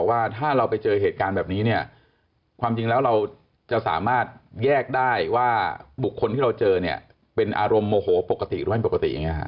โมโหปกติหรือไม่ปกติอย่างนี้ค่ะ